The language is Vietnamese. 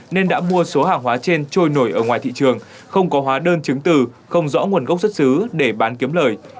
nên đã mua số hàng hóa trên trôi nổi ở ngoài thị trường không có hóa đơn chứng từ không rõ nguồn gốc xuất xứ để bán kiếm lời